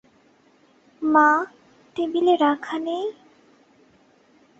মা, টেবিলে রাখা নেই।